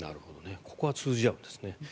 ここは通じ合うんですね。